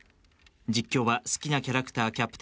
実況は好きなキャラクターキャプテンクロ。